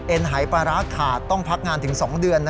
หายปลาร้าขาดต้องพักงานถึง๒เดือน